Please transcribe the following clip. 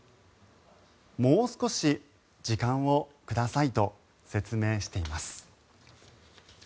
もう少し時間をくださいと説明しています。